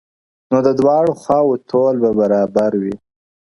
نو د دواړو خواوو تول به برابر وي-